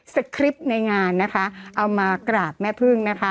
คริปต์ในงานนะคะเอามากราบแม่พึ่งนะคะ